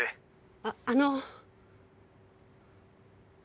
あっあの。